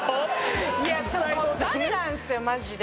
いやダメなんですよマジで。